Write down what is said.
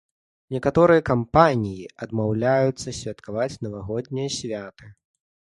Некаторыя кампаніі адмаўляюцца святкаваць навагоднія святы.